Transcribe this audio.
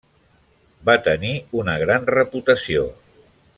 Va tenir una gran reputació.